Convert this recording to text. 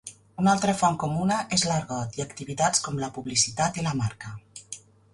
Una altra font comuna és l'argot i activitats com la publicitat i la marca.